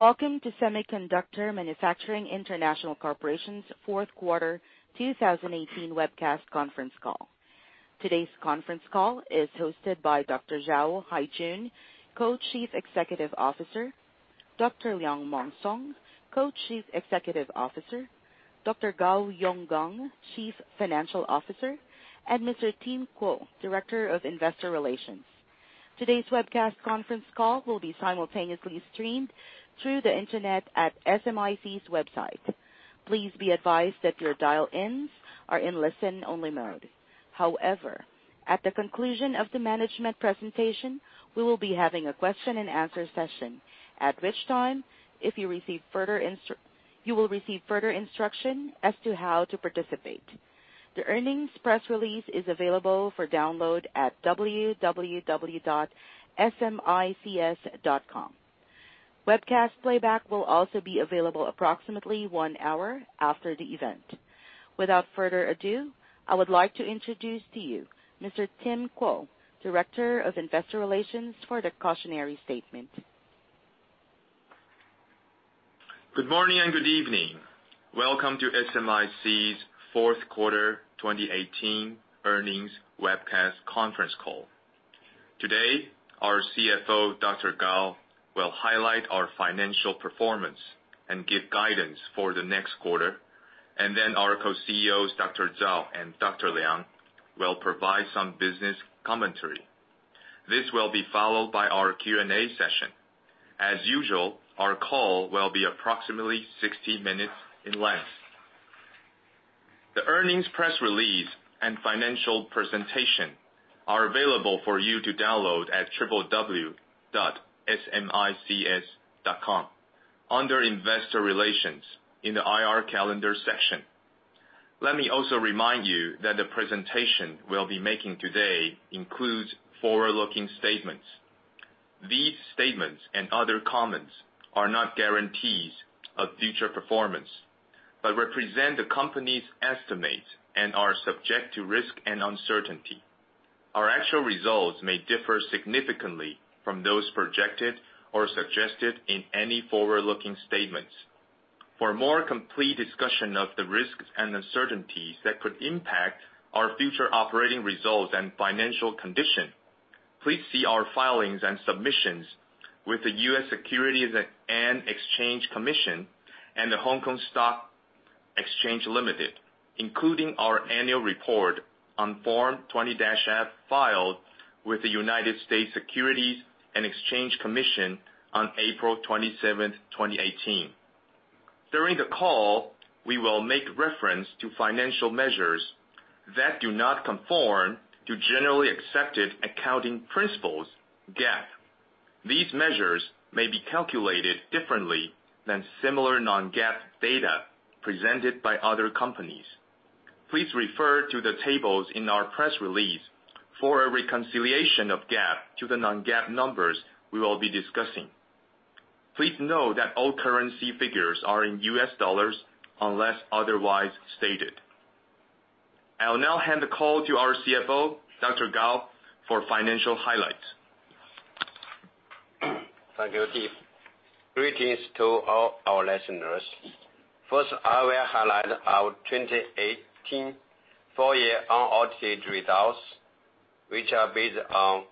Welcome to Semiconductor Manufacturing International Corporation's fourth quarter 2018 webcast conference call. Today's conference call is hosted by Dr. Zhao Haijun, Co-Chief Executive Officer, Dr. Liang Meng Song, Co-Chief Executive Officer, Dr. Gao Yonggang, Chief Financial Officer, and Mr. Tim Kuo, Director of Investor Relations. Today's webcast conference call will be simultaneously streamed through the internet at SMIC's website. Please be advised that your dial-ins are in listen-only mode. However, at the conclusion of the management presentation, we will be having a question and answer session, at which time you will receive further instruction as to how to participate. The earnings press release is available for download at www.smic.com. Webcast playback will also be available approximately one hour after the event. Without further ado, I would like to introduce to you Mr. Tim Kuo, Director of Investor Relations, for the cautionary statement. Good morning and good evening. Welcome to SMIC's fourth quarter 2018 earnings webcast conference call. Today, our CFO, Dr. Gao, will highlight our financial performance and give guidance for the next quarter. Then our Co-CEOs, Dr. Zhao and Dr. Liang, will provide some business commentary. This will be followed by our Q&A session. As usual, our call will be approximately 60 minutes in length. The earnings press release and financial presentation are available for you to download at www.smic.com under Investor Relations in the IR Calendar section. Let me also remind you that the presentation we'll be making today includes forward-looking statements. These statements and other comments are not guarantees of future performance, but represent the company's estimates and are subject to risk and uncertainty. Our actual results may differ significantly from those projected or suggested in any forward-looking statements. For a more complete discussion of the risks and uncertainties that could impact our future operating results and financial condition, please see our filings and submissions with the U.S. Securities and Exchange Commission and the Hong Kong Stock Exchange Limited, including our annual report on Form 20-F filed with the U.S. Securities and Exchange Commission on April 27th, 2018. During the call, we will make reference to financial measures that do not conform to generally accepted accounting principles, GAAP. These measures may be calculated differently than similar non-GAAP data presented by other companies. Please refer to the tables in our press release for a reconciliation of GAAP to the non-GAAP numbers we will be discussing. Please know that all currency figures are in U.S. dollars, unless otherwise stated. I will now hand the call to our CFO, Dr. Gao, for financial highlights. Thank you, Tim. Greetings to all our listeners. First, I will highlight our 2018 full year unaudited results, which are based on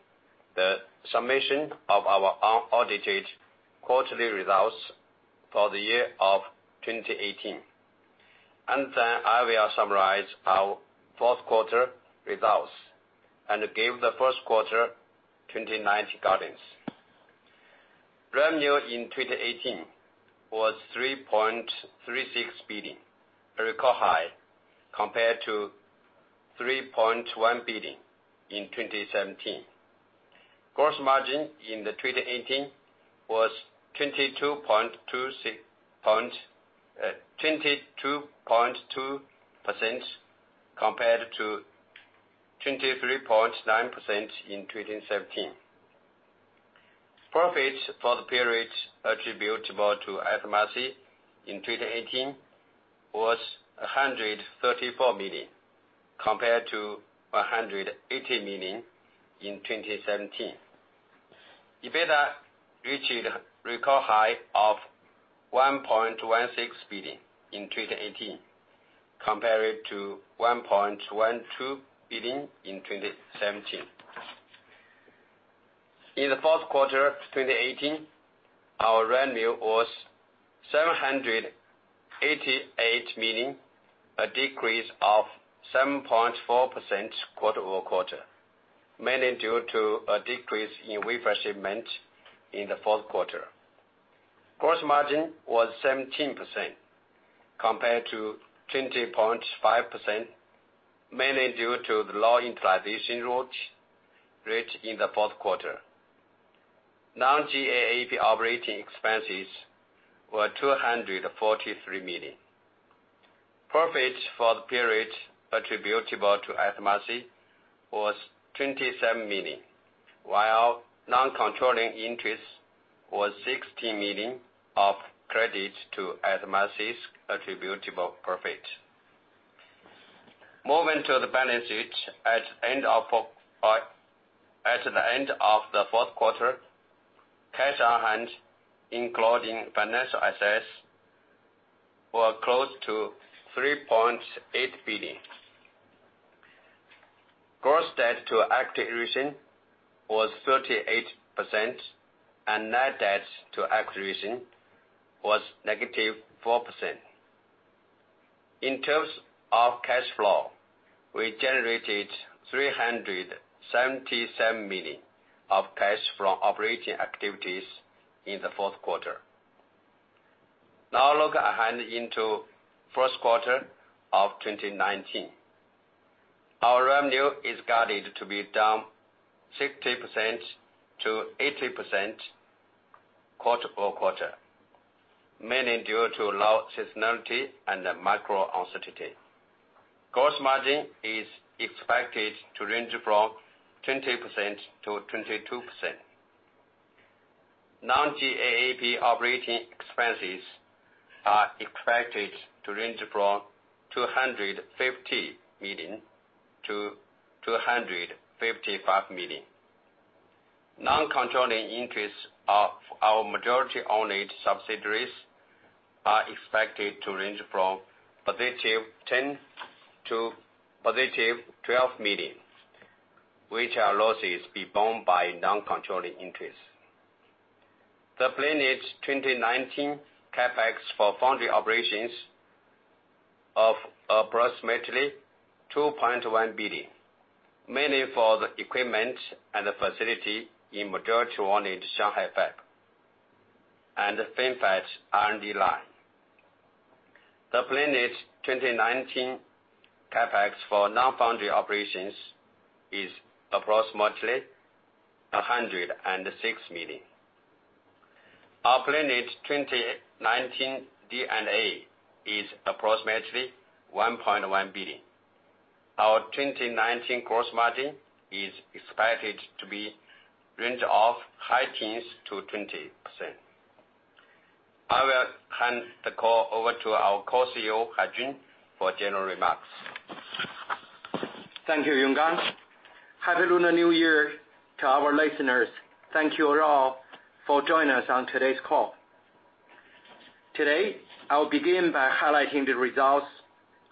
the summation of our unaudited quarterly results for the year of 2018. Then I will summarize our fourth quarter results and give the first quarter 2019 guidance. Revenue in 2018 was $3.36 billion, a record high, compared to $3.1 billion in 2017. Gross margin in the 2018 was 22.2% compared to 23.9% in 2017. Profit for the period attributable to SMIC in 2018 was $134 million, compared to $118 million in 2017. EBITDA reached a record high of $1.16 billion in 2018, compared to $1.12 billion in 2017. In the fourth quarter of 2018, our revenue was $788 million, a decrease of 7.4% quarter-over-quarter, mainly due to a decrease in wafer shipment in the fourth quarter. Gross margin was 17% compared to 20.5%, mainly due to the low introduction rate in the fourth quarter. Non-GAAP operating expenses were $243 million. Profit for the period attributable to SMIC was $27 million, while non-controlling interest was $16 million of credits to SMIC's attributable profit. Moving to the balance sheet at the end of the fourth quarter, cash on hand, including financial assets, were close to $3.8 billion. Gross debt to equity ratio was 38%, and net debt to equity ratio was negative 4%. In terms of cash flow, we generated $377 million of cash from operating activities in the fourth quarter. Now look ahead into first quarter of 2019. Our revenue is guided to be down 60%-80% quarter-over-quarter, mainly due to low seasonality and micro uncertainty. Gross margin is expected to range from 20%-22%. Non-GAAP operating expenses are expected to range from $250 million-$255 million. Non-controlling interests of our majority-owned subsidiaries are expected to range from positive $10 million to positive $12 million, which are losses borne by non-controlling interests. The plan is 2019 CapEx for foundry operations of approximately $2.1 billion, mainly for the equipment and the facility in majority-owned Shanghai fab and FinFET R&D line. The plan is 2019 CapEx for non-foundry operations is approximately $106 million. Our plan is 2019 D&A is approximately $1.1 billion. Our 2019 gross margin is expected to be range of high teens-20%. I will hand the call over to our Co-CEO, Haijun, for general remarks. Thank you, Yonggang. Happy Lunar New Year to our listeners. Thank you all for join us on today's call. Today, I will begin by highlighting the results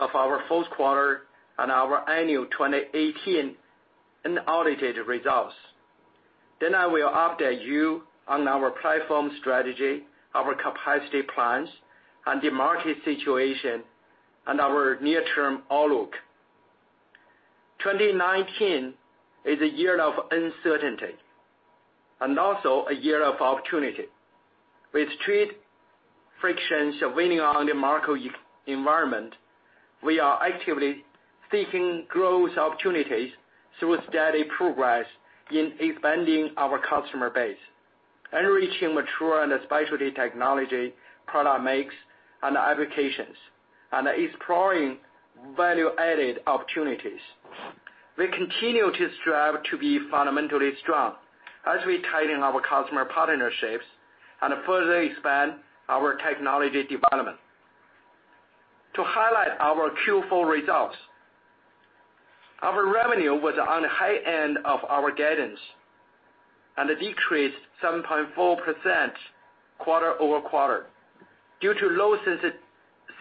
of our fourth quarter and our annual 2018 unaudited results. I will update you on our platform strategy, our capacity plans and the market situation and our near-term outlook. 2019 is a year of uncertainty, and also a year of opportunity. With trade frictions weighing on the macro environment, we are actively seeking growth opportunities through steady progress in expanding our customer base and reaching mature and specialty technology product makes and applications, and exploring value-added opportunities. We continue to strive to be fundamentally strong as we tighten our customer partnerships and further expand our technology development. To highlight our Q4 results, our revenue was on the high end of our guidance and decreased 7.4% quarter-over-quarter due to low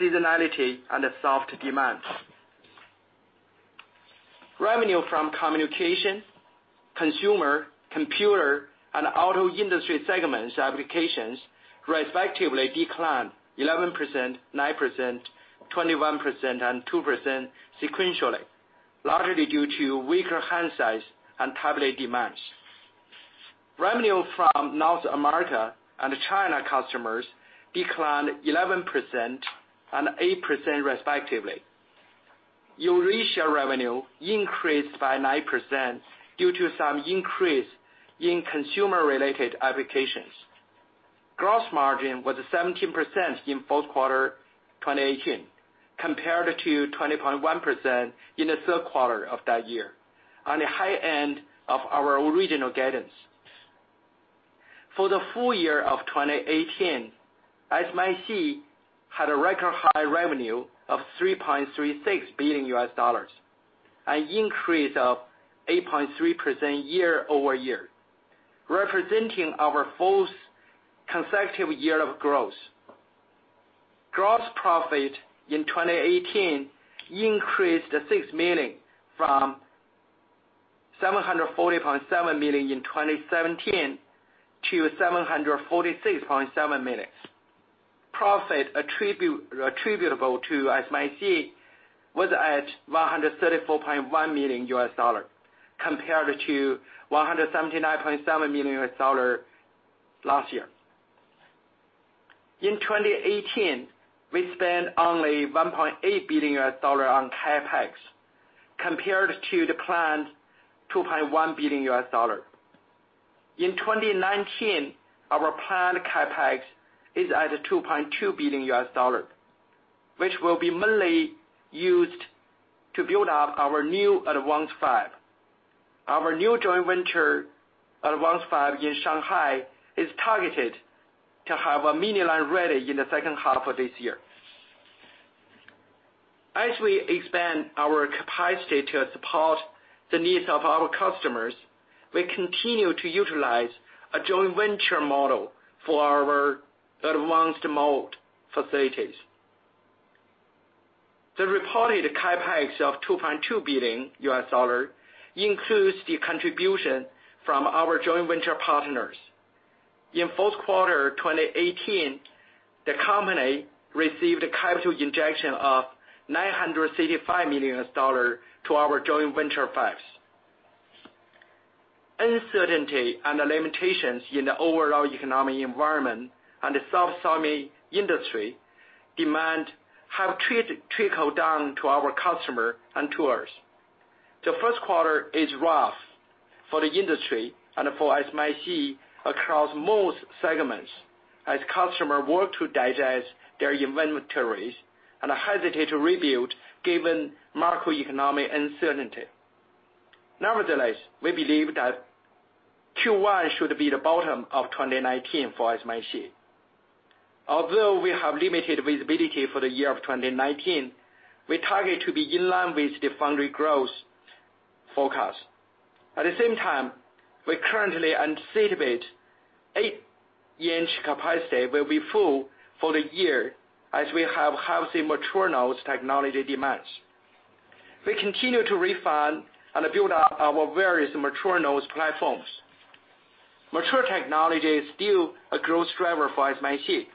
seasonality and soft demand. Revenue from communication, consumer, computer, and auto industry segments applications respectively declined 11%, 9%, 21%, and 2% sequentially, largely due to weaker hand size and tablet demands. Revenue from North America and China customers declined 11% and 8%, respectively. Eurasia revenue increased by 9% due to some increase in consumer-related applications. Gross margin was 17% in fourth quarter 2018, compared to 20.1% in the third quarter of that year, on the high end of our original guidance. For the full year of 2018, SMIC had a record high revenue of $3.36 billion, an increase of 8.3% year-over-year, representing our fourth consecutive year of growth. Gross profit in 2018 increased $6 million from $740.7 million in 2017 to $746.7 million. Profit attributable to SMIC was at $134.1 million compared to $179.7 million last year. In 2018, we spent only $1.8 billion on CapEx compared to the planned $2.1 billion. In 2019, our planned CapEx is at $2.2 billion, which will be mainly used to build up our new advanced fab. Our new joint venture at Advanced Fab in Shanghai is targeted to have a mini line ready in the second half of this year. As we expand our capacity to support the needs of our customers, we continue to utilize a joint venture model for our advanced mode facilities. The reported CapEx of $2.2 billion includes the contribution from our joint venture partners. In fourth quarter 2018, the company received a capital injection of $965 million to our joint venture fabs. Uncertainty and the limitations in the overall economic environment and the semi industry demand have trickled down to our customer and to us. The first quarter is rough for the industry and for SMIC across most segments as customer work to digest their inventories and hesitate to rebuild given macroeconomic uncertainty. Nevertheless, we believe that Q1 should be the bottom of 2019 for SMIC. Although we have limited visibility for the year of 2019, we target to be in line with the foundry growth forecast. At the same time, we currently anticipate eight-inch capacity will be full for the year as we have healthy mature nodes technology demands. We continue to refine and build out our various mature nodes platforms. Mature technology is still a growth driver for SMIC,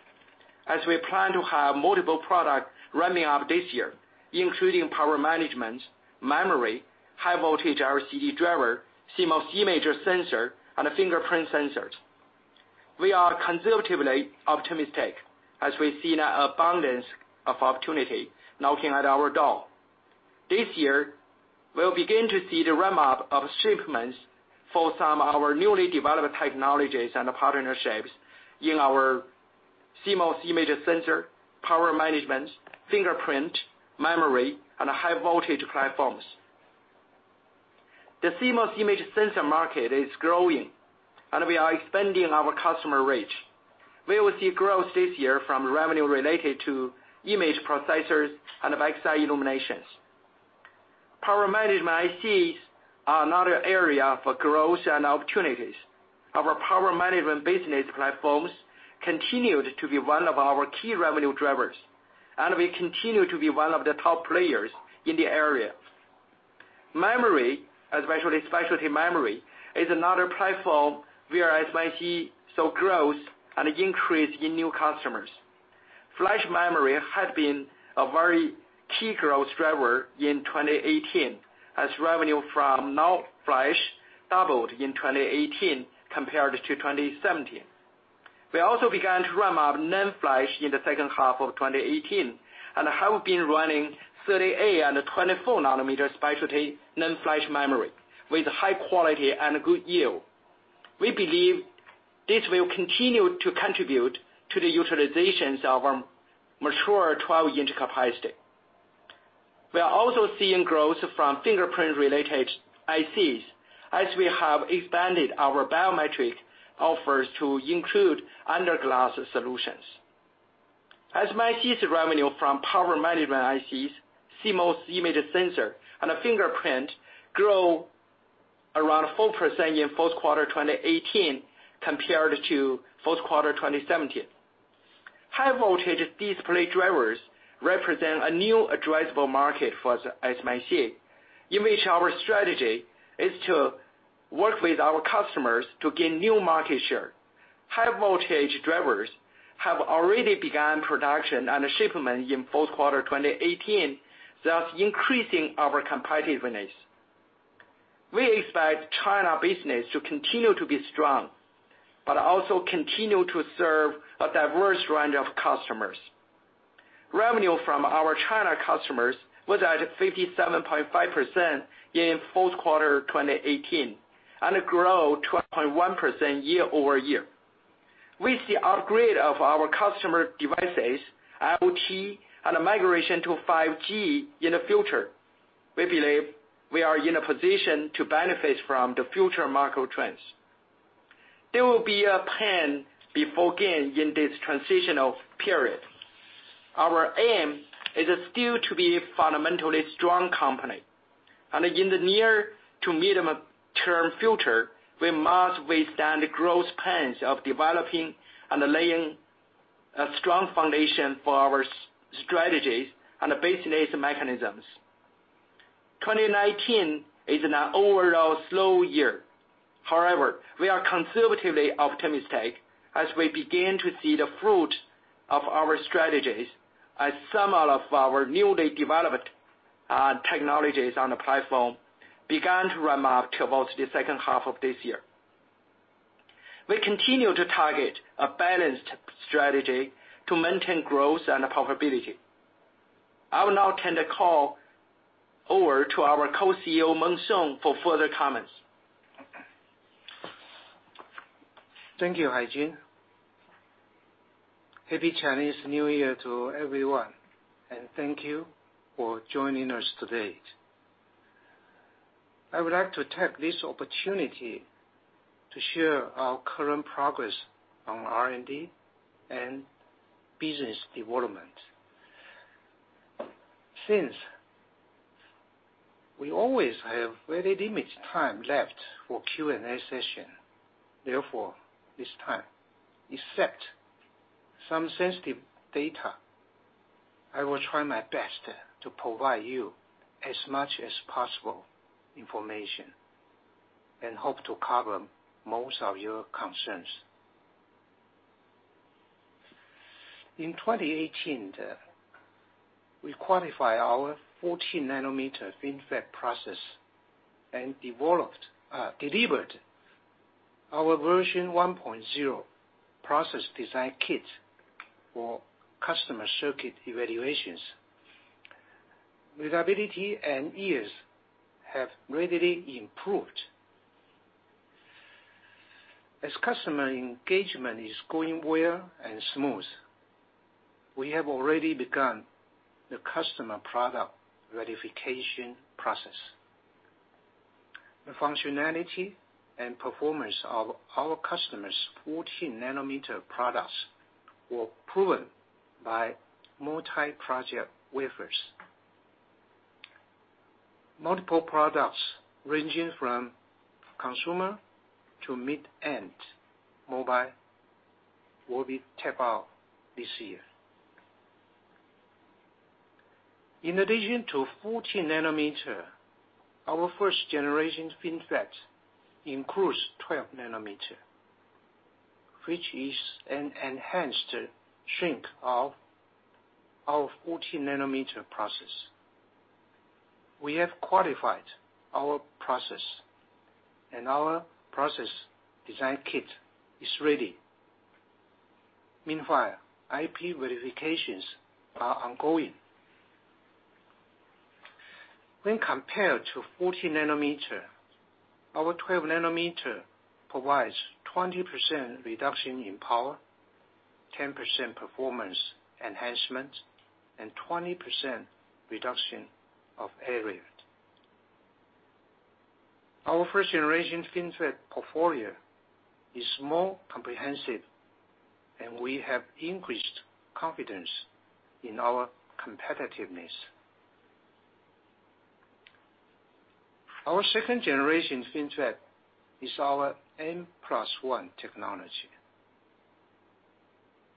as we plan to have multiple products ramping up this year, including power management, memory, high voltage RCD driver, CMOS image sensor, and fingerprint sensors. We are conservatively optimistic as we see an abundance of opportunity knocking at our door. This year, we'll begin to see the ramp-up of shipments for some of our newly developed technologies and partnerships in our CMOS image sensor, power management, fingerprint, memory, and high-voltage platforms. The CMOS image sensor market is growing, and we are expanding our customer reach. We will see growth this year from revenue related to image processors and back-side illuminations. power management ICs are another area for growth and opportunities. Our power management business platforms continued to be one of our key revenue drivers, and we continue to be one of the top players in the area. Memory, especially specialty memory, is another platform where SMIC saw growth and an increase in new customers. Flash memory had been a very key growth driver in 2018 as revenue from NOR flash doubled in 2018 compared to 2017. We also began to ramp up NAND flash in the second half of 2018 and have been running 38 and 24 nanometer specialty NAND flash memory with high quality and good yield. We believe this will continue to contribute to the utilizations of our mature 12-inch capacity. We are also seeing growth from fingerprint-related ICs, as we have expanded our biometric offers to include under-glass solutions. SMIC's revenue from power management ICs, CMOS image sensor, and fingerprint grow around 4% in fourth quarter 2018 compared to fourth quarter 2017. High voltage display drivers represent a new addressable market for SMIC, in which our strategy is to work with our customers to gain new market share. High voltage drivers have already begun production and shipment in fourth quarter 2018, thus increasing our competitiveness. We expect China business to continue to be strong, but also continue to serve a diverse range of customers. Revenue from our China customers was at 57.5% in fourth quarter 2018 and grew 2.1% year-over-year. With the upgrade of our customer devices, IoT, and migration to 5G in the future, we believe we are in a position to benefit from the future market trends. There will be a pain before gain in this transitional period. Our aim is still to be a fundamentally strong company. In the near to medium-term future, we must withstand the growth pains of developing and laying a strong foundation for our strategies and business mechanisms. 2019 is an overall slow year. However, we are conservatively optimistic as we begin to see the fruit of our strategies as some of our newly developed technologies and platform began to ramp up towards the second half of this year. We continue to target a balanced strategy to maintain growth and profitability. I will now turn the call over to our Co-CEO, Meng Song, for further comments. Thank you, Haijin. Happy Chinese New Year to everyone, and thank you for joining us today. I would like to take this opportunity to share our current progress on R&D and business development. Since we always have very limited time left for Q&A session, therefore, this time, except some sensitive data, I will try my best to provide you as much as possible information, and hope to cover most of your concerns. In 2018, we qualified our 14 nanometer FinFET process and delivered our Version 1.0 process design kit for customer circuit evaluations. Reliability and yields have greatly improved. As customer engagement is going well and smooth, we have already begun the customer product verification process. The functionality and performance of our customers' 14 nanometer products were proven by multi-project wafers. Multiple products ranging from consumer to mid-end mobile will be tapped out this year. In addition to 14 nanometer, our first generation FinFET includes 12 nanometer, which is an enhanced shrink of our 14 nanometer process. We have qualified our process, and our process design kit is ready. Meanwhile, IP verifications are ongoing. When compared to 14 nanometer, our 12 nanometer provides 20% reduction in power, 10% performance enhancement, and 20% reduction of area. Our first generation FinFET portfolio is more comprehensive, and we have increased confidence in our competitiveness. Our second generation FinFET is our N+1 technology.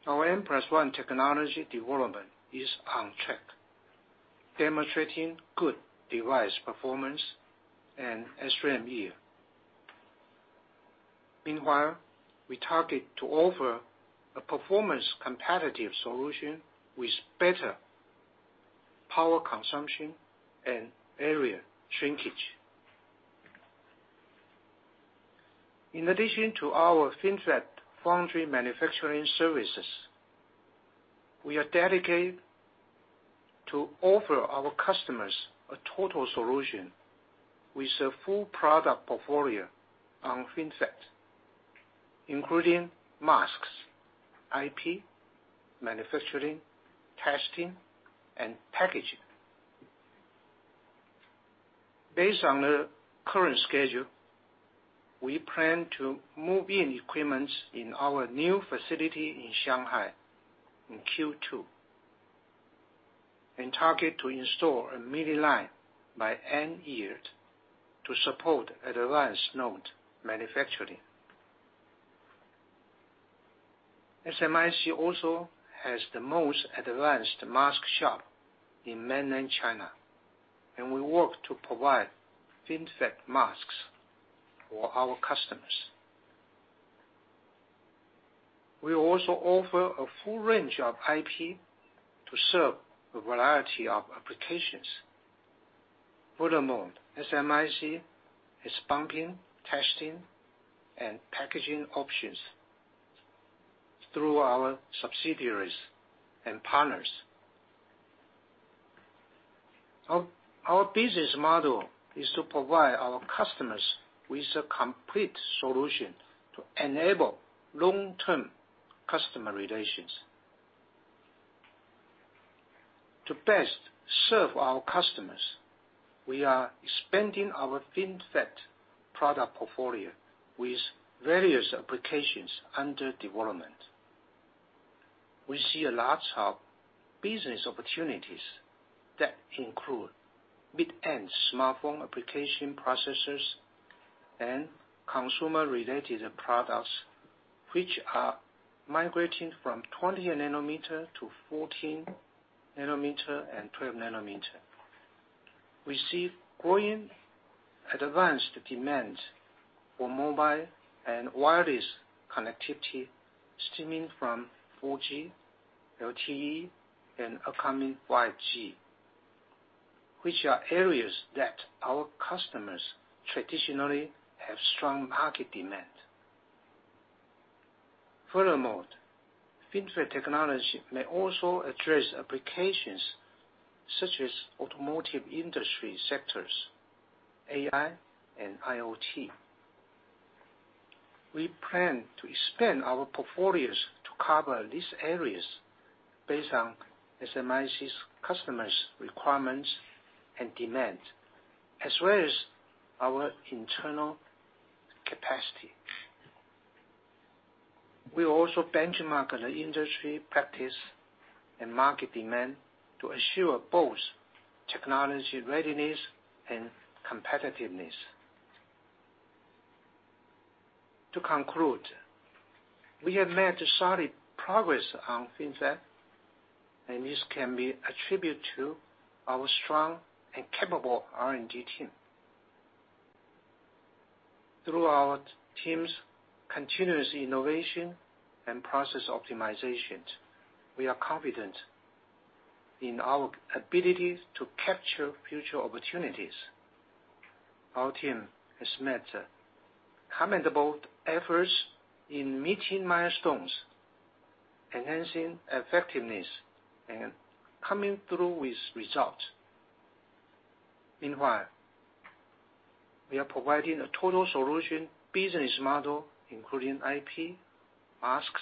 Our N+1 technology development is on track, demonstrating good device performance and SRAM yield. Meanwhile, we target to offer a performance competitive solution with better power consumption and area shrinkage. In addition to our FinFET foundry manufacturing services, we are dedicated to offer our customers a total solution with a full product portfolio on FinFET, including masks, IP, manufacturing, testing, and packaging. Based on the current schedule, we plan to move in equipments in our new facility in Shanghai in Q2. Target to install a mini line by end year to support advanced node manufacturing. SMIC also has the most advanced mask shop in mainland China, and we work to provide FinFET masks for our customers. We also offer a full range of IP to serve a variety of applications. Furthermore, SMIC is bumping testing and packaging options through our subsidiaries and partners. Our business model is to provide our customers with a complete solution to enable long-term customer relations. To best serve our customers, we are expanding our FinFET product portfolio with various applications under development. We see a lot of business opportunities that include mid-end smartphone application processors and consumer-related products, which are migrating from 20 nanometer to 14 nanometer and 12 nanometer. We see growing advanced demand for mobile and wireless connectivity stemming from 4G, LTE, and upcoming 5G, which are areas that our customers traditionally have strong market demand. Furthermore, FinFET technology may also address applications such as automotive industry sectors AI and IoT. We plan to expand our portfolios to cover these areas based on SMIC's customers' requirements and demand, as well as our internal capacity. We also benchmark the industry practice and market demand to assure both technology readiness and competitiveness. To conclude, we have made solid progress on FinFET. This can be attributed to our strong and capable R&D team. Through our team's continuous innovation and process optimizations, we are confident in our ability to capture future opportunities. Our team has made commendable efforts in meeting milestones, enhancing effectiveness, and coming through with results. Meanwhile, we are providing a total solution business model including IP, masks,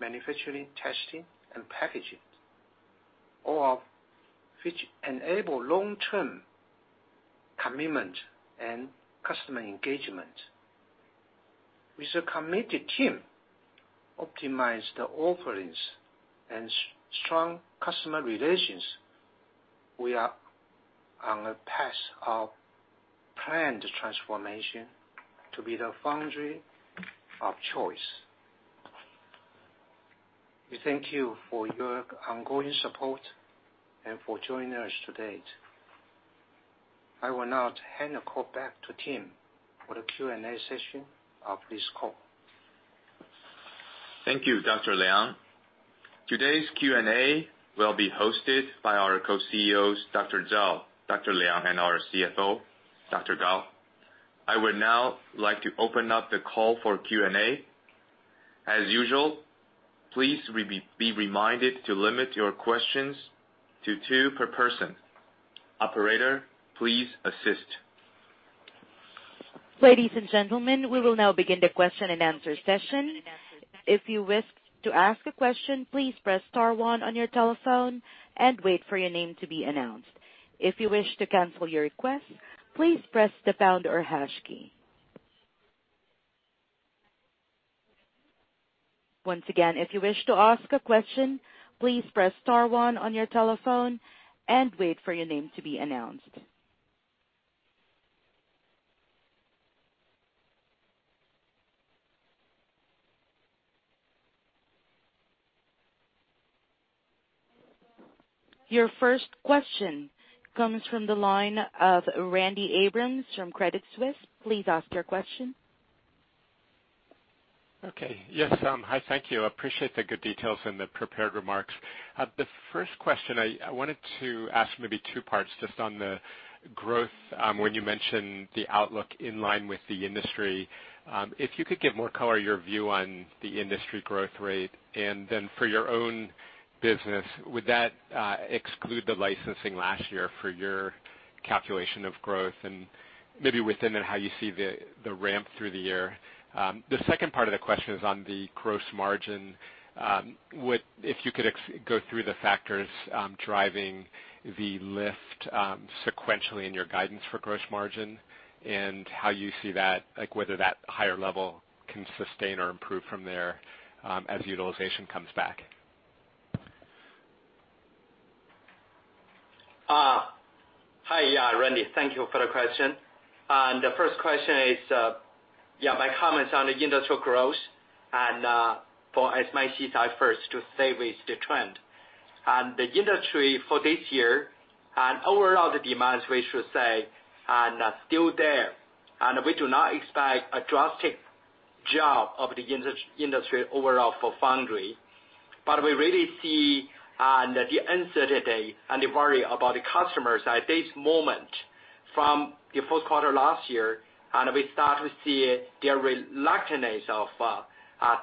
manufacturing, testing, and packaging, all of which enable long-term commitment and customer engagement. With a committed team, optimized offerings, and strong customer relations, we are on a path of planned transformation to be the foundry of choice. We thank you for your ongoing support and for joining us today. I will now hand the call back to Tim for the Q&A session of this call. Thank you, Dr. Liang. Today's Q&A will be hosted by our co-CEOs, Dr. Zhao, Dr. Liang, and our CFO, Dr. Gao. I would now like to open up the call for Q&A. As usual, please be reminded to limit your questions to two per person. Operator, please assist. Ladies and gentlemen, we will now begin the question and answer session. If you wish to ask a question, please press star one on your telephone and wait for your name to be announced. If you wish to cancel your request, please press the pound or hash key. Once again, if you wish to ask a question, please press star one on your telephone and wait for your name to be announced. Your first question comes from the line of Randy Abrams from Credit Suisse. Please ask your question. Okay. Yes. Hi, thank you. I appreciate the good details in the prepared remarks. The first question I wanted to ask maybe two parts just on the growth when you mentioned the outlook in line with the industry. If you could give more color, your view on the industry growth rate, and then for your own business. Would that exclude the licensing last year for your calculation of growth, and maybe within that, how you see the ramp through the year? The second part of the question is on the gross margin. If you could go through the factors driving the lift sequentially in your guidance for gross margin and how you see that, like whether that higher level can sustain or improve from there, as utilization comes back. Hi, Randy. Thank you for the question. The first question is, my comments on the industrial growth, for SMIC side first to say with the trend. The industry for this year and overall demands, we should say are still there. We do not expect a drastic job of the industry overall for foundry. We really see the uncertainty and the worry about the customers at this moment from the fourth quarter last year, we start to see their reluctance of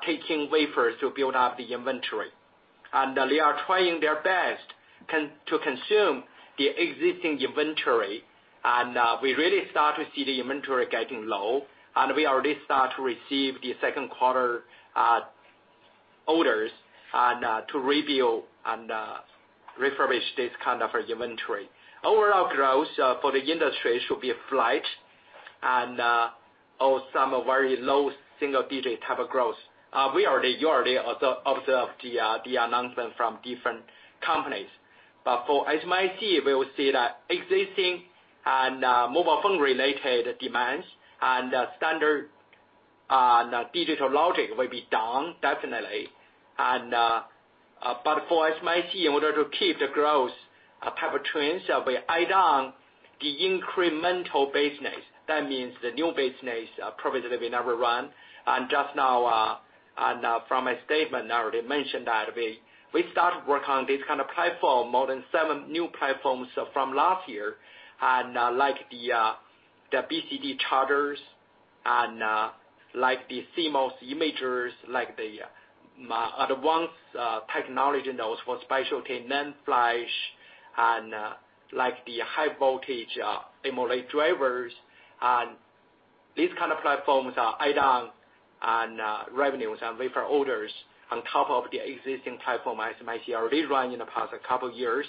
taking wafers to build up the inventory. They are trying their best to consume the existing inventory, we really start to see the inventory getting low, we already start to receive the second quarter orders to rebuild and refurbish this kind of inventory. Overall growth for the industry should be flat and some very low single digit type of growth. You already observed the announcement from different companies. For SMIC, we will see that existing and mobile phone related demands and standard digital logic will be down definitely. For SMIC, in order to keep the growth type of trends, we add on the incremental business. That means the new business probably that we never run. Just now from my statement, I already mentioned that we start work on this kind of platform, more than seven new platforms from last year. Like the BCD charters Like the CMOS imagers, like the advanced technology nodes for specialty NAND flash, and the high voltage AMOLED drivers. These kind of platforms are add-on and revenues and wafer orders on top of the existing platform as [inaudible] rerun in the past couple years.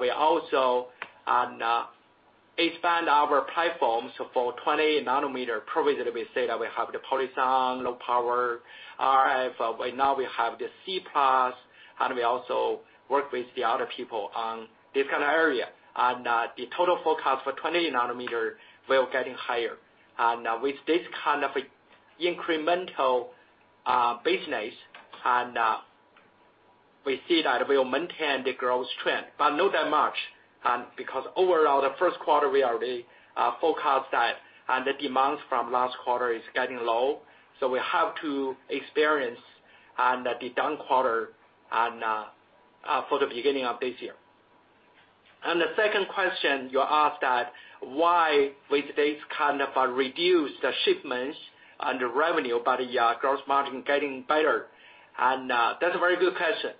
We also expand our platforms for 20 nanometer. Previously, we say that we have the Polysilicon, low power, RF. By now we have the [C+], we also work with the other people on this kind of area. The total forecast for 20 nanometer, we're getting higher. With this kind of incremental business, we see that we'll maintain the growth trend, but not that much. Because overall, the first quarter, we already forecast that, the demands from last quarter is getting low, so we have to experience on the down quarter for the beginning of this year. The second question, you asked that why with this kind of a reduced shipments and revenue, but the gross margin getting better. That's a very good question.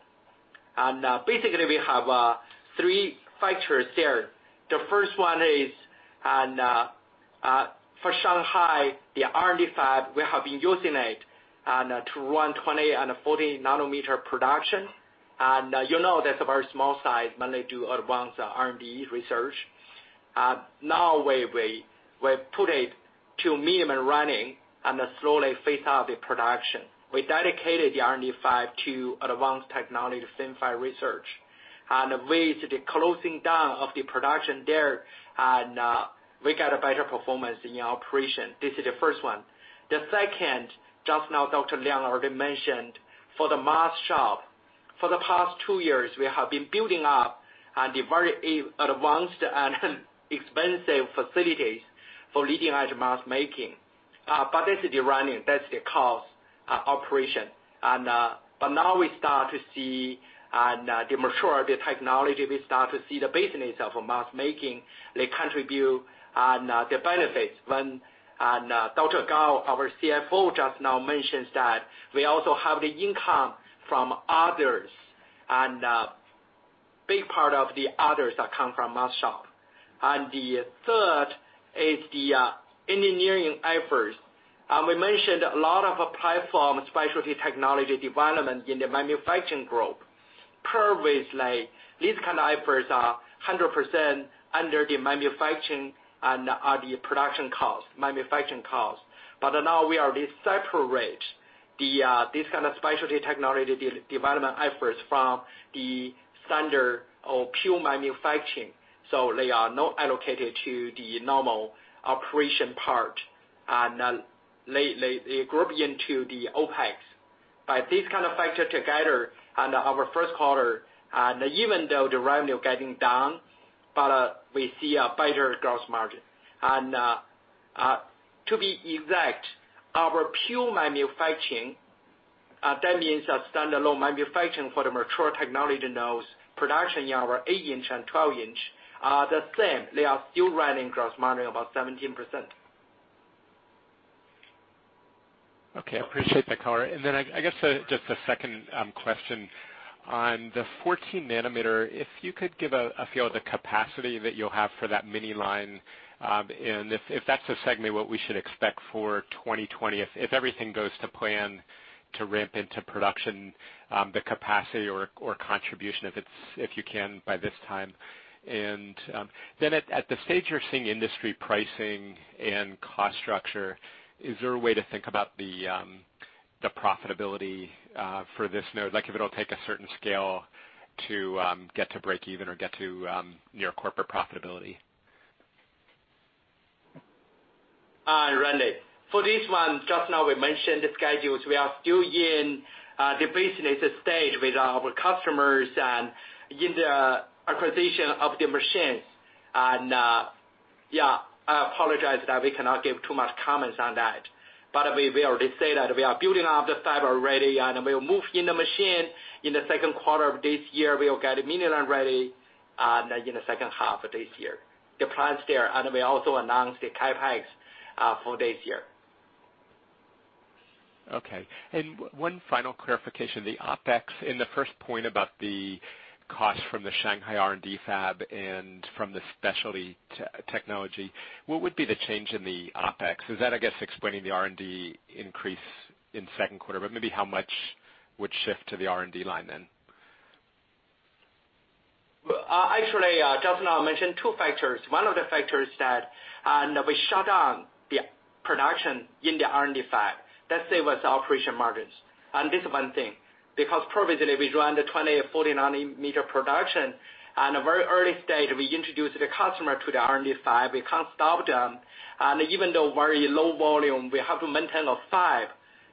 Basically we have three factors there. The first one is, for Shanghai, the R&D fab, we have been using it to run 20 and 40 nanometer production. You know that's a very small size when they do advanced R&D research. Now we've put it to minimum running and slowly phase out the production. We dedicated the R&D fab to advanced technology FinFET research. With the closing down of the production there, we got a better performance in our operation. This is the first one. The second, just now Dr. Liang already mentioned for the mask shop. For the past two years, we have been building up the very advanced and expensive facilities for leading-edge mask making. That is running. That's the cost operation. Now we start to see the mature, the technology, we start to see the business of mask making. They contribute, the benefits. When Dr. Gao, our CFO, just now mentions that we also have the income from others, big part of the others are come from mask shop. The third is the engineering efforts. We mentioned a lot of platform specialty technology development in the manufacturing group. Previously, these kind of efforts are 100% under the manufacturing and the production costs, manufacturing costs. Now we already separate this kind of specialty technology development efforts from the standard or pure manufacturing, so they are not allocated to the normal operation part, they group into the OpEx. By this kind of factor together in our first quarter, and even though the revenue getting down, but we see a better gross margin. To be exact, our pure manufacturing, that means a standalone manufacturing for the mature technology nodes production in our eight-inch and 12-inch are the same. They are still running gross margin about 17%. Okay. I appreciate that, Carl. I guess, just a second question. On the 14 nanometer, if you could give a feel of the capacity that you'll have for that mini line. If that's a segment, what we should expect for 2020, if everything goes to plan to ramp into production, the capacity or contribution, if you can by this time. At the stage you're seeing industry pricing and cost structure, is there a way to think about the profitability for this node? Like if it'll take a certain scale to get to breakeven or get to near corporate profitability. Hi, Randy. For this one, just now we mentioned the schedules. We are still in the business stage with our customers and in the acquisition of the machines. I apologize that we cannot give too much comments on that. We already say that we are building up the fab already, and we'll move in the machine in the second quarter of this year. We'll get mini line ready in the second half of this year. We also announced the CapEx for this year. Okay. One final clarification. The OpEx in the first point about the cost from the Shanghai R&D fab and from the specialty technology, what would be the change in the OpEx? Is that, I guess, explaining the R&D increase in second quarter, but maybe how much would shift to the R&D line then? Actually, just now I mentioned two factors. One of the factors that we shut down the production in the R&D fab. That save us operation margins. This one thing, because previously we run the 20, 40 nanometer production. In a very early stage, we introduced the customer to the R&D fab. We can't stop them, and even though very low volume, we have to maintain a fab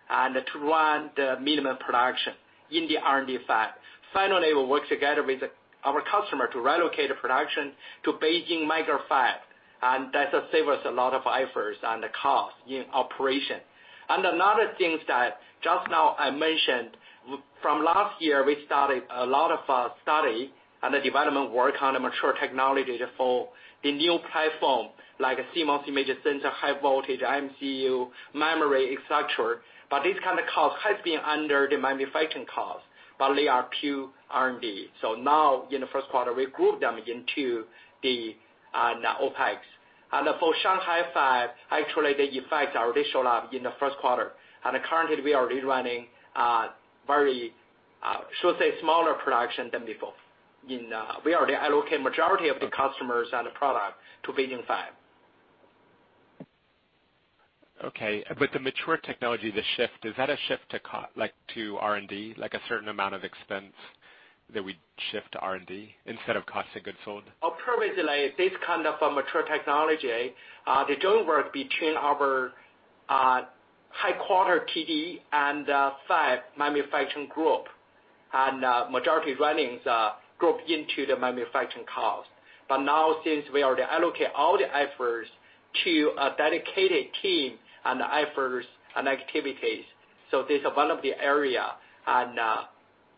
and to run the minimum production in the R&D fab. Finally, we work together with our customer to relocate the production to Beijing Mega-Fab. That save us a lot of efforts and the cost in operation. Another thing that just now I mentioned, from last year, we started a lot of study and the development work on the mature technology for the new platform, like a CMOS image sensor, high voltage, MCU, memory, et cetera. This kind of cost has been under the manufacturing cost, but they are pure R&D. Now in the first quarter, we group them into the OpEx. For Shanghai fab, actually, the effects already show up in the first quarter. Currently, we are already running very, should say, smaller production than before. We already allocate majority of the customers and the product to Beijing fab. Okay. The mature technology, the shift, is that a shift to R&D? Like a certain amount of expense that we shift to R&D instead of cost of goods sold? Previously, this kind of mature technology, they don't work between our high quarter TD and the fab manufacturing group. Majority runnings group into the manufacturing cost. Now since we already allocate all the efforts to a dedicated team and the efforts and activities, so this one of the area.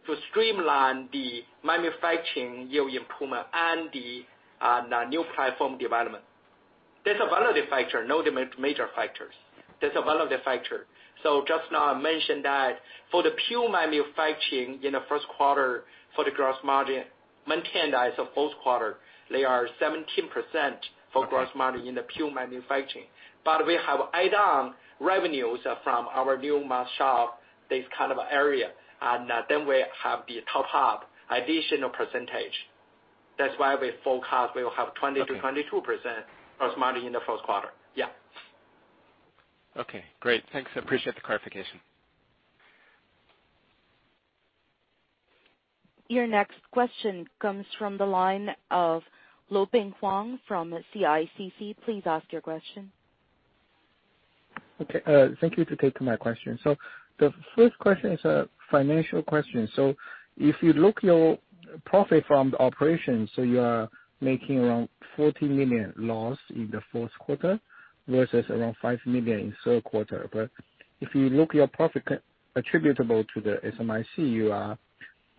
To streamline the manufacturing yield improvement and the new platform development. That's one of the factor, not the major factors. That's one of the factor. Just now I mentioned that for the pure manufacturing in the first quarter, for the gross margin maintained as of fourth quarter, they are 17% for gross- Okay margin in the pure manufacturing. We have add-on revenues from our new mask shop, this kind of area, and then we have the top half additional percentage. That's why we forecast we will have 20%-22% gross margin in the first quarter. Yeah. Okay, great. Thanks. I appreciate the clarification. Your next question comes from the line of Leping Huang from CICC. Please ask your question. Okay, thank you to take my question. The first question is a financial question. If you look your profit from the operation, you are making around $40 million loss in the fourth quarter versus around $5 million in third quarter. If you look your profit attributable to SMIC, you are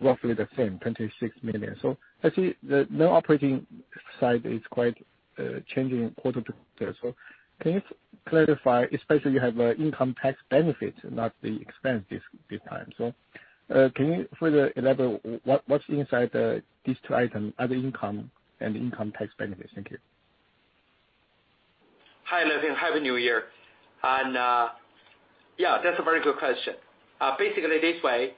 roughly the same, $26 million. I see the non-operating side is quite changing quarter-to-quarter. Can you clarify, especially you have income tax benefit, not the expense this time. Can you further elaborate what's inside these two items, other income and income tax benefits? Thank you. Hi, Leping. Happy New Year. Yeah, that's a very good question. Basically, this way,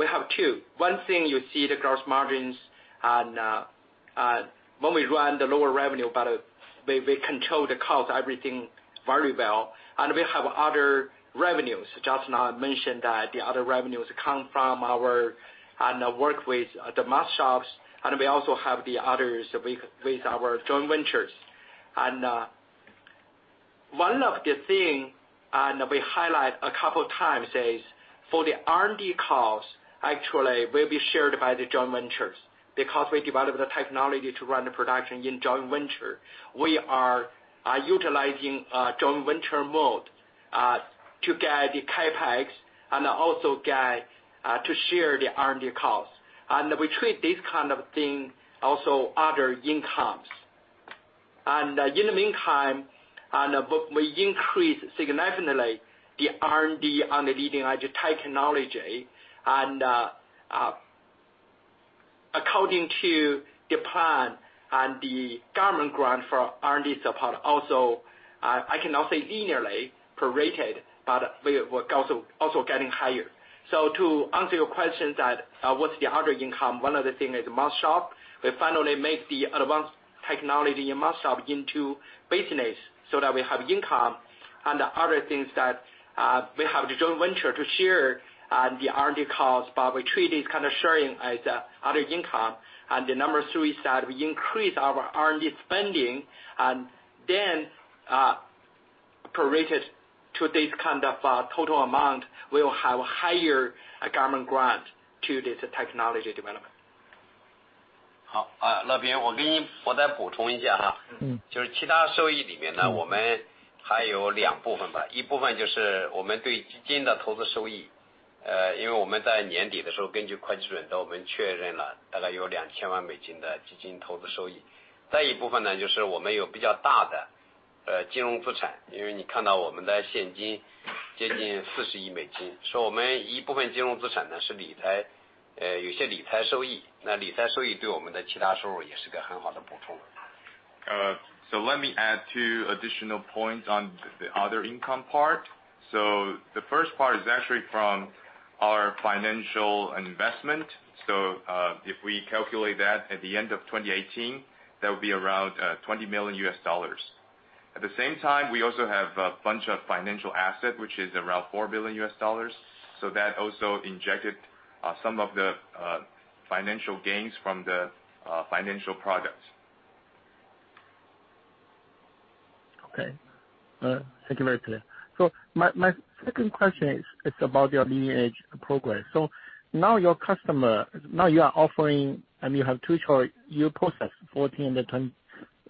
we have two. One thing you see the gross margins, when we run the lower revenue, we control the cost, everything very well. We have other revenues. Just now I mentioned that the other revenues come from our work with the mask shops, we also have the others with our joint ventures. One of the things we highlight a couple times, is for the R&D cost, actually, will be shared by the joint ventures. Because we developed the technology to run the production in joint venture. We are utilizing joint venture mode to get the CapEx and also to share the R&D cost. We treat this kind of thing also other incomes. In the meantime, we increase significantly the R&D on the leading-edge technology. According to the plan and the government grant for R&D support also, I cannot say linearly prorated, but we're also getting higher. To answer your question that what's the other income, one of the thing is mask shop. We finally make the advanced technology in mask shop into business, so that we have income. The other things that we have the joint venture to share the R&D cost, but we treat this kind of sharing as other income. The number three is that we increase our R&D spending, prorated to this kind of total amount. We will have higher government grant to this technology development. Let me add two additional points on the other income part. The first part is actually from our financial investment. If we calculate that at the end of 2018, that would be around $20 million. At the same time, we also have a bunch of financial asset, which is around $4 billion. That also injected some of the financial gains from the financial products. Okay. Thank you. Very clear. My second question is about your leading-edge progress. Now you are offering and you have two choices. You process 14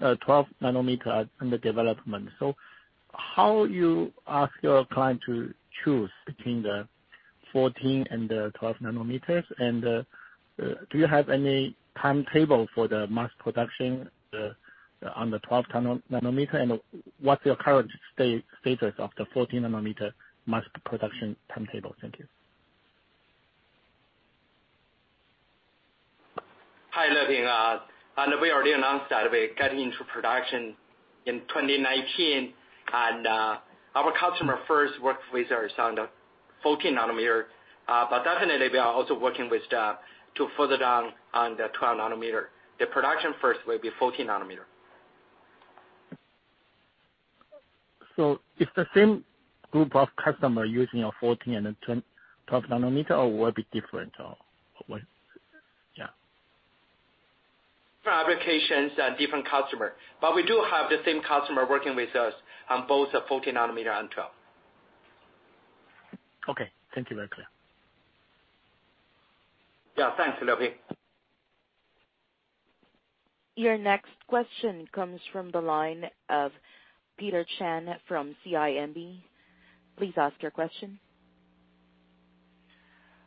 and 12 nanometer under development. How you ask your client to choose between the 14 and 12 nanometers? Do you have any timetable for the mass production on the 12 nanometer, and what's your current status of the 14 nanometer mass production timetable? Thank you. Hi, Leping. We already announced that we are getting into production in 2019. Our customer first worked with us on the 14 nanometer. Definitely, we are also working with them to further down on the 12 nanometer. The production first will be 14 nanometer. It's the same group of customer using your 14 and the 12 nanometer, or will it be different? Yeah. For applications and different customer. We do have the same customer working with us on both 14 nanometer and 12. Okay. Thank you. Very clear. Yeah. Thanks, Leping. Your next question comes from the line of Peter Chen from CIMB. Please ask your question.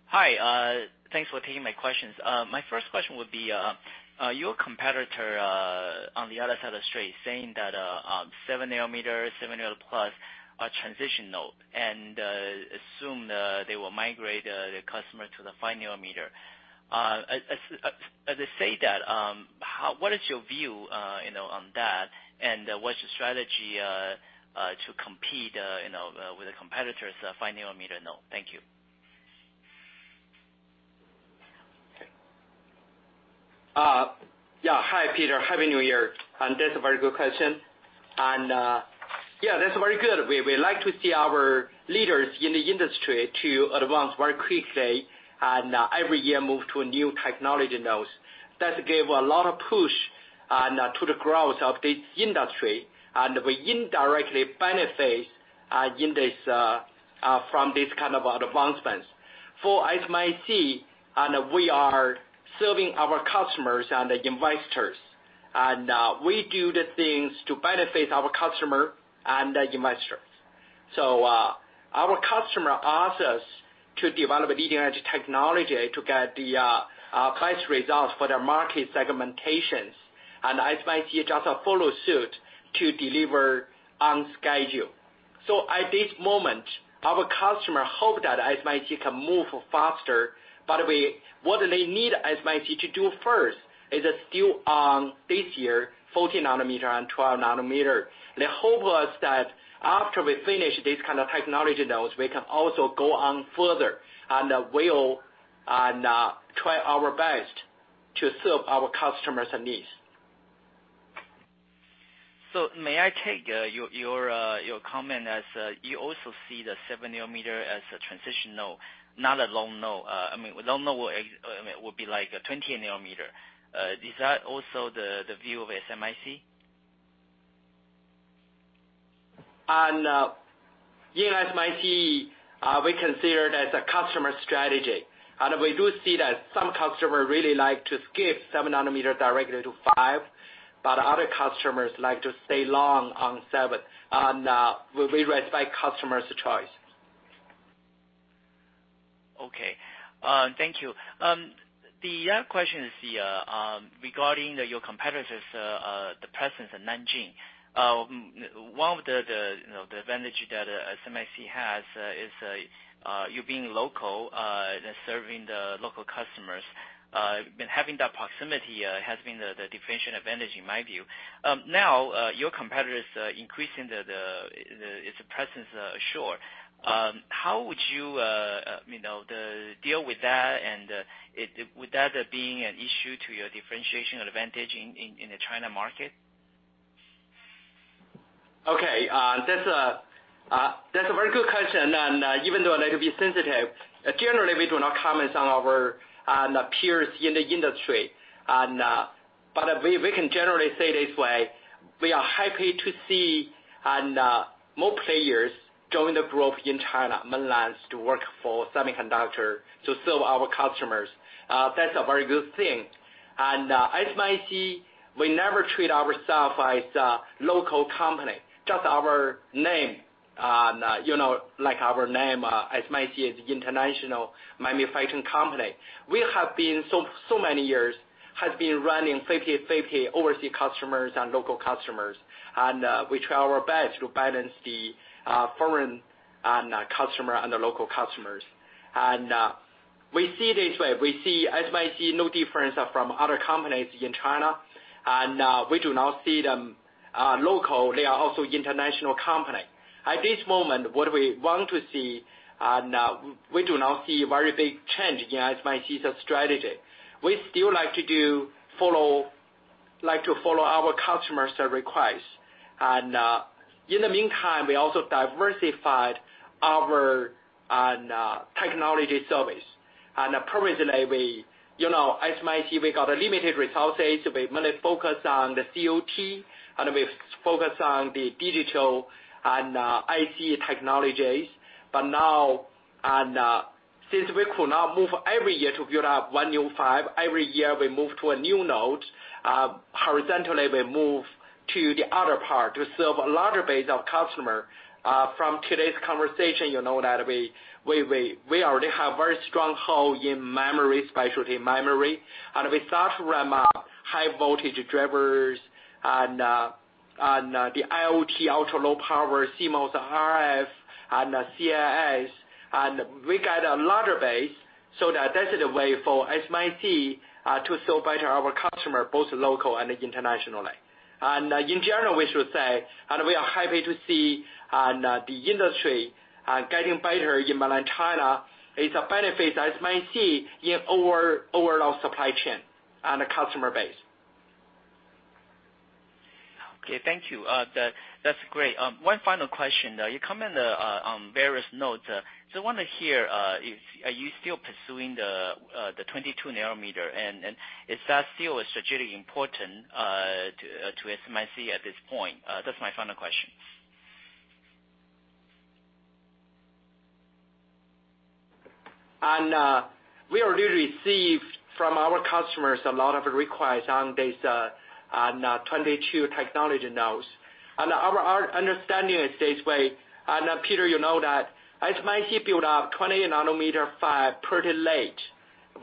Hi. Thanks for taking my questions. My first question would be, your competitor, on the other side of the street saying that 7 nanometer, 7 nanometer plus are transition node and assume they will migrate their customer to the 5 nanometer. As they say that, what is your view on that, and what's your strategy to compete with the competitor's 5 nanometer node? Thank you. Okay. Yeah. Hi, Peter. Happy New Year. That's a very good question. Yeah, that's very good. We like to see our leaders in the industry to advance very quickly. Every year move to a new technology nodes. That gave a lot of push to the growth of this industry. We indirectly benefit from these kind of advancements. For SMIC, we are serving our customers and the investors. We do the things to benefit our customer and the investors. Our customer ask us to develop a leading-edge technology to get the best results for their market segmentations. SMIC just follow suit to deliver on schedule. At this moment, our customer hope that SMIC can move faster, but what they need SMIC to do first is still on this year 14 nanometer and 12 nanometer. The hope was that after we finish this kind of technology nodes, we can also go on further. We'll try our best to serve our customers' needs. May I take your comment as you also see the 7 nanometer as a transition node, not a long node. Long node will be like a 20 nanometer. Is that also the view of SMIC? In SMIC, we consider it as a customer strategy. We do see that some customer really like to skip 7 nanometer directly to 5, other customers like to stay long on 7. We respect customers' choice. Okay. Thank you. The other question is regarding your competitors, the presence in Nanjing. One of the advantage that SMIC has is you being local, serving the local customers. Having that proximity has been the differentiation advantage in my view. Your competitor is increasing its presence ashore. How would you deal with that, with that being an issue to your differentiation advantage in the China market? Okay. That's a very good question, even though a little bit sensitive, generally we do not comment on our peers in the industry. We can generally say this way, we are happy to see more players join the group in China, mainland, to work for semiconductor to serve our customers. That's a very good thing. SMIC, we never treat ourself as a local company, just our name. Our name, SMIC, is International Manufacturing Company. Many years has been running 50/50 overseas customers and local customers. We try our best to balance the foreign customer and the local customers. We see it this way. We see SMIC no different from other companies in China, we do not see them local. They are also international company. At this moment, what we want to see, we do not see very big change in SMIC's strategy. We still like to follow our customers' request. In the meantime, we also diversified our technology service. Previously, at SMIC, we got limited resources. We mainly focus on the COT, we focus on the digital and IC technologies. Now, since we could not move every year to build up one new fab, every year we move to a new node. Horizontally, we move to the other part to serve a larger base of customer. From today's conversation, you know that we already have very strong hold in memory, specialty memory. We start to ramp up high voltage drivers and the IoT, ultra-low power, CMOS, RF, and CIS. We got a larger base, so that is the way for SMIC to serve better our customer, both local and internationally. In general, we should say, and we are happy to see the industry getting better in mainland China. It's a benefit that SMIC in overall supply chain and customer base. Okay. Thank you. That's great. One final question. You commented on various nodes. Just want to hear, are you still pursuing the 22 nanometer, is that still strategically important to SMIC at this point? That's my final question. We already received from our customers a lot of requests on these on 22 technology nodes. Our understanding is this way, Peter, you know that SMIC build up 20-nanometer fab pretty late,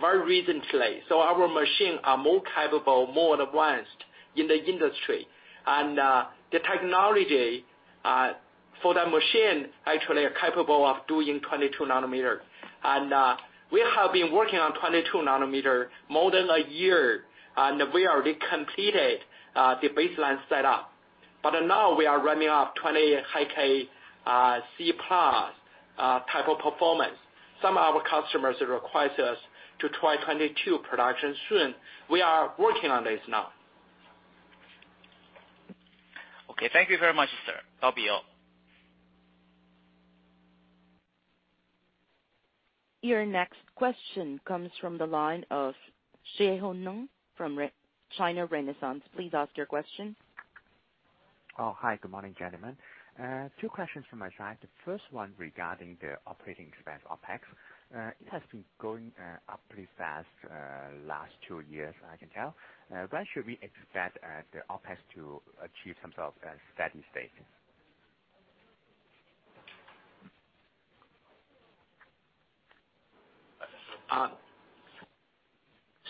very recently. Our machines are more capable, more advanced in the industry. The technology for the machine actually are capable of doing 22 nanometer. We have been working on 22 nanometer more than a year, and we already completed the baseline set up. Now we are ramping up 20 high-K C plus type of performance. Some of our customers request us to try 22 production soon. We are working on this now. Okay. Thank you very much, sir. That'll be all. Your next question comes from the line of Xie Hongcheng from China Renaissance. Please ask your question. Hi. Good morning, gentlemen. Two questions from my side. The first one regarding the operating expense, OpEx. It has been going up pretty fast last two years, I can tell. When should we expect the OpEx to achieve some sort of steady state?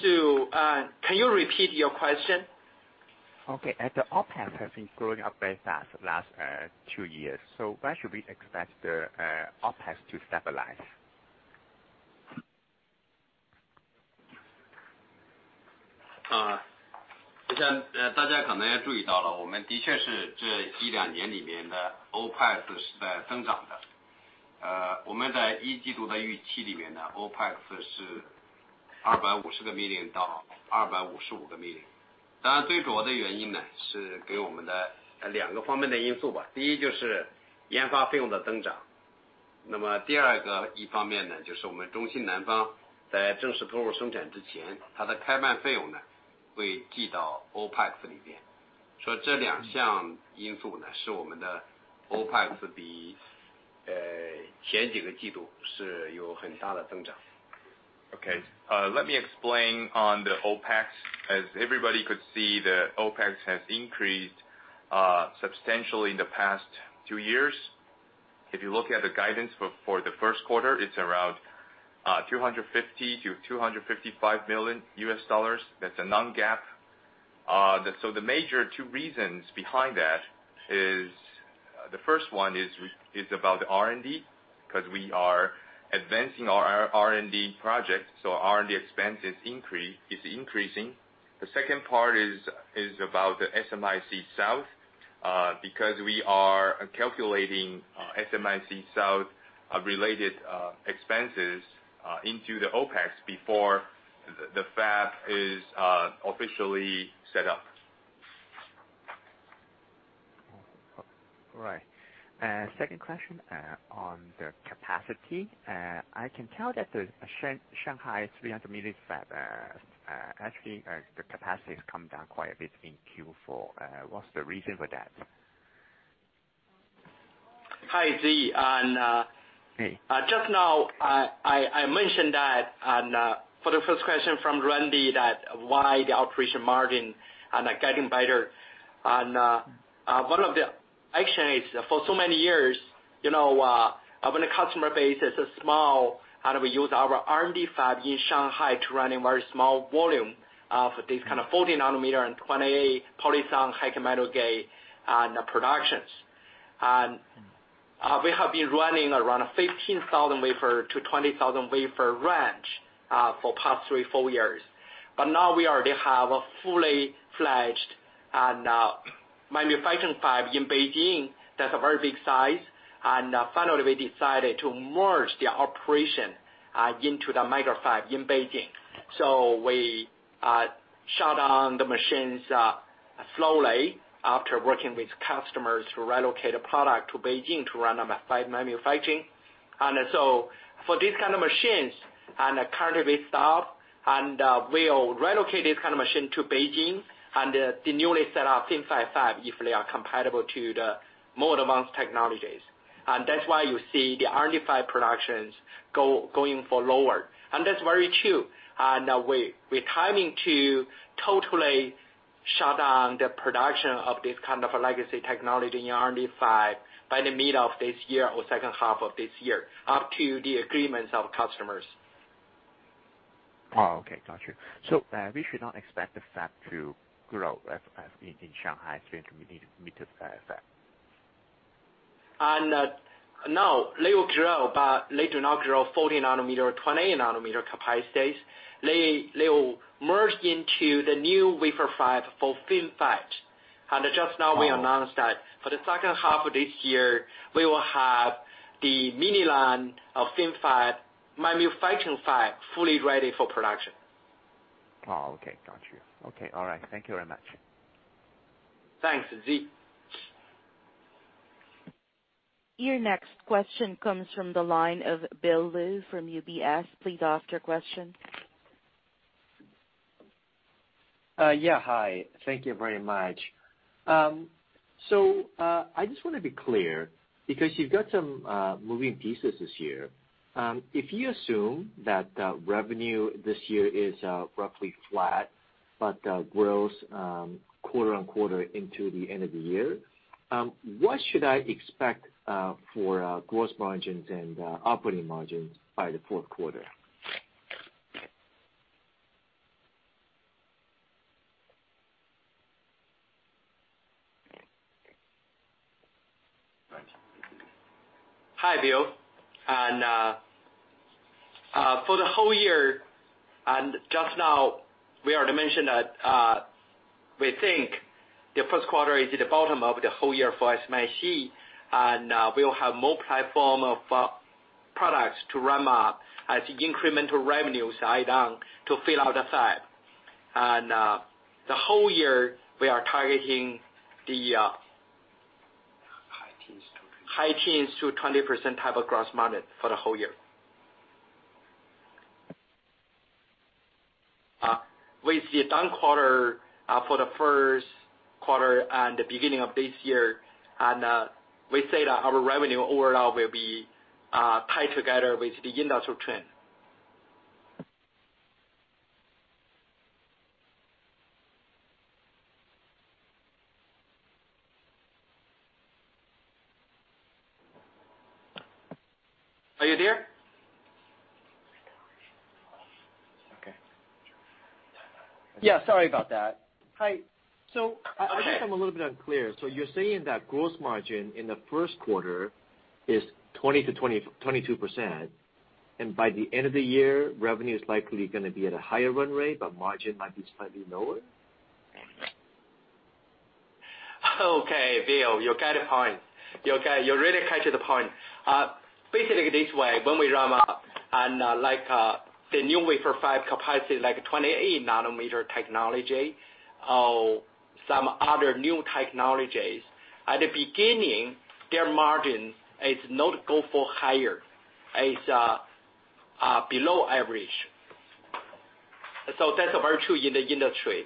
Can you repeat your question? Okay. The OpEx has been growing up very fast last 2 years. When should we expect the OpEx to stabilize? Okay. Let me explain on the OpEx. As everybody could see, the OpEx has increased substantially in the past 2 years. If you look at the guidance for the first quarter, it's around $250 million-$255 million. That's a non-GAAP. The major 2 reasons behind that is, the first one is about R&D, because we are advancing our R&D project, R&D expense is increasing. The second part is about the SMIC South, because we are calculating SMIC South related expenses into the OpEx before the fab is officially set up. All right. Second question on the capacity. I can tell that the Shanghai 300 millimeter fab, actually, the capacity has come down quite a bit in Q4. What's the reason for that? Hi, Xie. Hey. Just now, I mentioned that for the first question from Randy that why the operation margin getting better. For so many years, when a customer base is small and we use our R&D fab in Shanghai to run a very small volume of this kind of 40 nanometer and 20 polysilicon high-k metal gate productions. We have been running around 15,000 wafer to 20,000 wafer range for past three, four years. Now we already have a fully-fledged manufacturing fab in Beijing that's a very big size. Finally, we decided to merge the operation into the mega fab in Beijing. We shut down the machines slowly after working with customers to relocate a product to Beijing to run a mass manufacturing. For these kind of machines, we'll relocate this kind of machine to Beijing and the newly set up FinFETfab if they are compatible to the more advanced technologies. That's why you see the RD5 productions going for lower. That's very true. We're timing to totally shut down the production of this kind of legacy technology in RD5 by the middle of this year or second half of this year, up to the agreements of customers. Oh, okay. Got you. We should not expect the fab to grow as in Shanghai 300 millimeter fab. No. They will grow, but they do not grow 40 nanometer or 20 nanometer capacities. They will merge into the new wafer fab for FinFET. Just now we announced that for the second half of this year, we will have the mini line of FinFET manufacturing fab fully ready for production. Oh, okay. Got you. Okay. All right. Thank you very much. Thanks, Xie. Your next question comes from the line of Bill Lu from UBS. Please ask your question. Yeah. Hi. Thank you very much. I just want to be clear, because you've got some moving pieces this year. If you assume that revenue this year is roughly flat but grows quarter-on-quarter into the end of the year, what should I expect for gross margins and operating margins by the fourth quarter? Hi, Bill. For the whole year, just now we already mentioned that we think the first quarter is the bottom of the whole year for SMIC, we'll have more platform of products to ramp up as incremental revenues item to fill out the fab. The whole year, we are targeting the- High teens to 20 High teens to 20% type of gross margin for the whole year. With the down quarter for the first quarter and the beginning of this year, we say that our revenue overall will be tied together with the industrial trend. Are you there? Okay. Yeah, sorry about that. Hi. I guess I'm a little bit unclear. You're saying that gross margin in the first quarter is 20%-22%, and by the end of the year, revenue is likely going to be at a higher run rate, but margin might be slightly lower? Bill, you get the point. You really captured the point. This way, when we ramp up and the new wafer fab capacity, like 28 nanometer technology or some other new technologies. At the beginning, their margin is not go for higher, is below average. That's very true in the industry.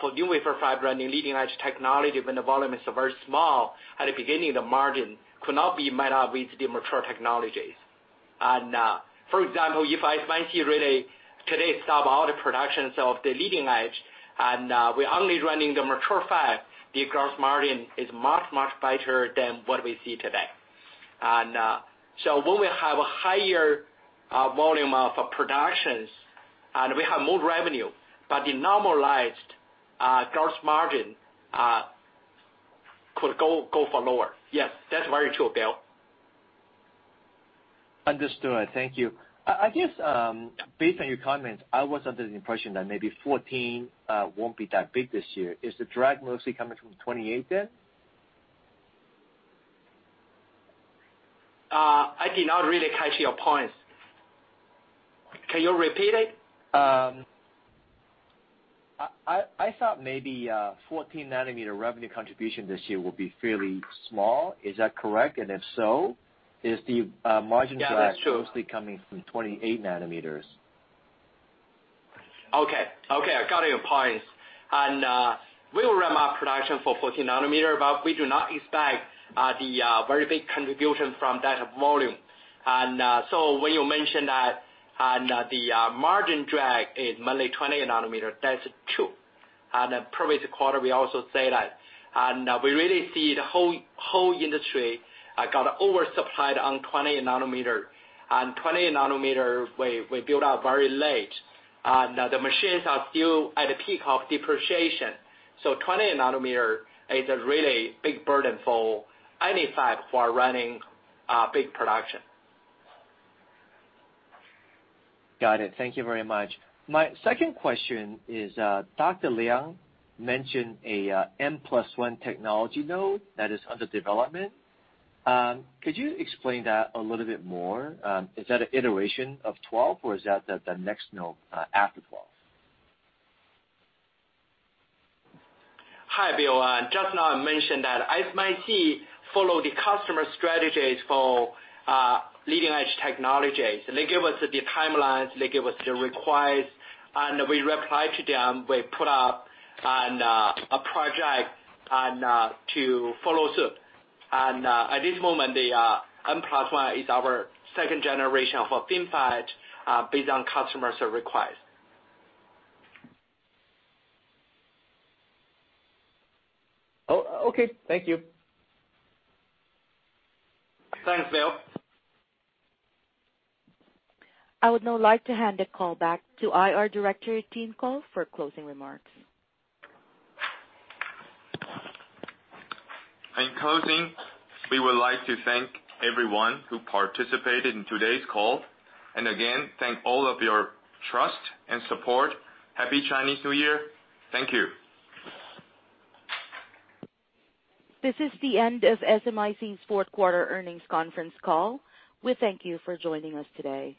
For new wafer fab running leading-edge technology, when the volume is very small, at the beginning, the margin could not be met up with the mature technologies. For example, if SMIC really today stop all the productions of the leading edge, and we're only running the mature fab, the gross margin is much, much better than what we see today. We will have a higher volume of productions, and we have more revenue. The normalized gross margin could go for lower. Yes, that's very true, Bill. Understood. Thank you. I guess based on your comments, I was under the impression that maybe 14 won't be that big this year. Is the drag mostly coming from 28 then? I did not really catch your points. Can you repeat it? I thought maybe 14 nanometer revenue contribution this year will be fairly small. Is that correct? If so, is the margin drag- Yeah, that's true mostly coming from 28 nanometers? Okay. Okay, I got your points. We will ramp up production for 14 nanometer, but we do not expect the very big contribution from that volume. When you mentioned that the margin drag is mainly 28 nanometer, that's true. Previous quarter, we also say that. We really see the whole industry got oversupplied on 28 nanometer. 28 nanometer, we build out very late. Now the machines are still at the peak of depreciation. 28 nanometer is a really big burden for any fab for running big production. Got it. Thank you very much. My second question is, Dr. Liang mentioned a N+1 technology node that is under development. Could you explain that a little bit more? Is that an iteration of 12 or is that the next node after 12? Hi, Bill. Just now I mentioned that SMIC follow the customer strategies for leading-edge technologies. They give us the timelines, they give us the requires, and we reply to them. We put up on a project and to follow suit. At this moment, the N+1 is our second generation of a FinFET based on customers' requires. Oh, okay. Thank you. Thanks, Bill. I would now like to hand the call back to IR Director, Tim Kuo, for closing remarks. In closing, we would like to thank everyone who participated in today's call, and again, thank all of your trust and support. Happy Chinese New Year. Thank you. This is the end of SMIC's fourth quarter earnings conference call. We thank you for joining us today.